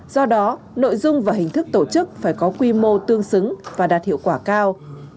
do đó nội dung và hình thức tổ chức phải có quy mô tương xứng và đạt hiệu quả cao